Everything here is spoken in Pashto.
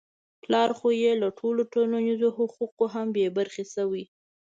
پلار خو يې له ټولو ټولنیزو حقوقو هم بې برخې شوی.